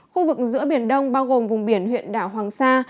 khu vực giữa biển đông bao gồm vùng biển huyện đảo hoàng sa